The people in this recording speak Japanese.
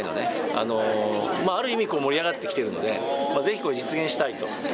あのある意味盛り上がってきてるのでぜひこれ実現したいと。